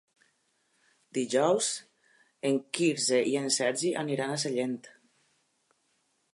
Dijous en Quirze i en Sergi aniran a Sellent.